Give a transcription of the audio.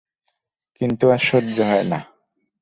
কিন্তু আর সহ্য হয় না।